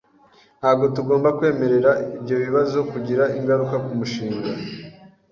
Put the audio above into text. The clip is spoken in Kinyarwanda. Ntabwo tugomba kwemerera ibyo bibazo kugira ingaruka kumushinga .